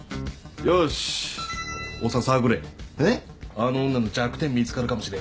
あの女の弱点見つかるかもしれんやろ。